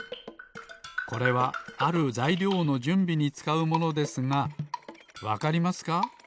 これはあるざいりょうのじゅんびにつかうものですがわかりますか？